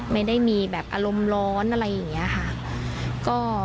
ไม่ได้มีแบบอารมณ์ร้อนอะไรอย่างนี้ค่ะ